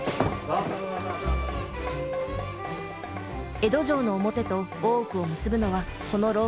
江戸城の表と大奥を結ぶのはこの廊下のみ。